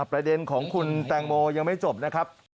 ประเด็นของคุณแตงโมยังไม่จบนะครับ